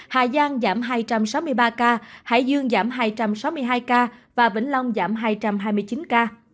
hà giang giảm hai trăm sáu mươi ba ca hải dương giảm hai trăm sáu mươi hai ca vĩnh long giảm hai trăm sáu mươi ba ca